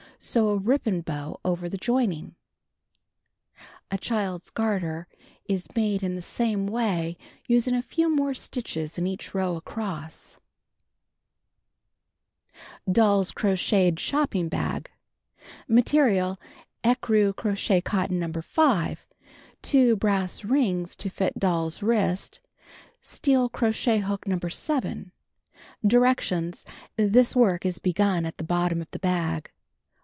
Sew a ribbon bow over the joining, A Child's Garter is made in the same way, using a few more stitches in each row across. DOLL'S CROCHETED SHOPPING BAG (See picture opposite page 104) Material: Ecru crochet cotton. No. 5. Two brass rings to fit doll's wrist. Steel crochet hook No. 7. Directions: This work is begun at the bottom of the bag.